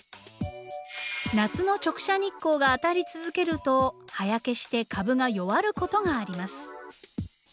夏の直射日光が当たり続けると葉焼けして株が弱ることがあります。